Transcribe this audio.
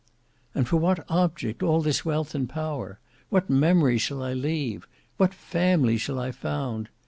"And for what object all this wealth and power? What memory shall I leave? What family shall I found?